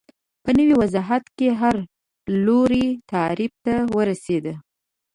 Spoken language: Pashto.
په نوي وضعیت کې هر لوری تعریف ته ورسېد